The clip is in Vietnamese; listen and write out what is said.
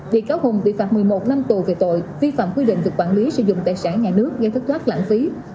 bị cáo hùng bị phạt một mươi một năm tù về tội vi phạm quy định về quản lý sử dụng tài sản nhà nước gây thất thoát lãng phí